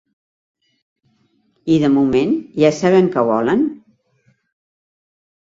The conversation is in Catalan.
I de moment ja saben què volen?